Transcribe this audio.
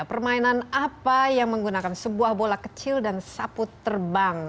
permainan apa yang menggunakan sebuah bola kecil dan sapu terbang